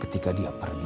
ketika dia pergi